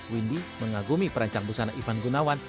windy mengagumi perancang busana ivan gunawan